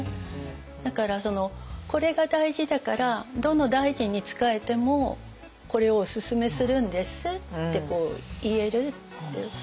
だから「これが大事だからどの大臣に仕えてもこれをおすすめするんです」って言えるっていう。